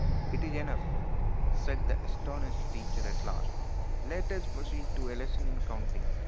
" It is enough/' said the astonished teacher at last. " Let us proceed to a lesson in counting.